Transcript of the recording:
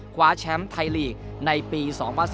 คว้าแชมป์ไทยลีกในปี๒๐๑๙